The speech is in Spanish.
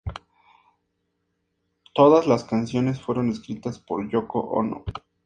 Todas las canciones fueron escritas por Yoko Ono.